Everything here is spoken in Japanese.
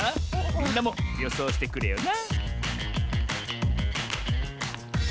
みんなもよそうしてくれよな